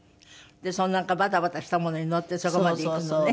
そのなんかバタバタしたものに乗ってそこまで行くのね？